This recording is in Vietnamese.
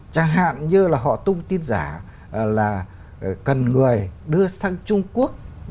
chẳng hạn như là họ tung tin giả là cần người đưa sang trung quốc